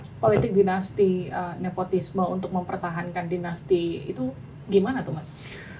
tapi politik dinasti nepotisme untuk mempertahankan dinasti itu gimana tuh mas